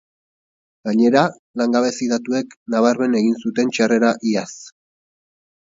Gainera, langabezi datuek nabarmen egin zuten txarrera iaz.